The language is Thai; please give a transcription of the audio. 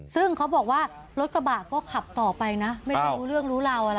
ซึ่งเขาบอกว่ารถกระบะก็ขับต่อไปนะไม่รู้เรื่องรู้ราวอะไร